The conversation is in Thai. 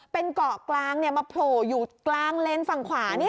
เป็นเกาะกลางมาโผล่อยู่กลางเลนส์ฝั่งขวานี่